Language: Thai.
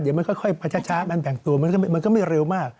เดี๋ยวมันค่อยไปช้ามันแต่งตัวมันก็ไม่เร็วมาก